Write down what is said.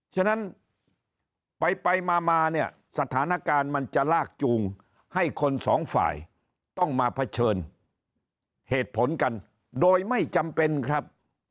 ฉะนั้นไปมาเนี่ยสถานการณ์มันจะลากจูงให้คนสองฝ่ายต้องมาเผชิญเหตุผลกันโดยไม่จำเป็นครับ